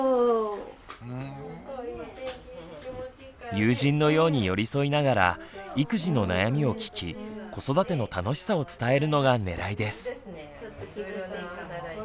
友人のように寄り添いながら育児の悩みを聞き子育ての楽しさを伝えるのがねらいです。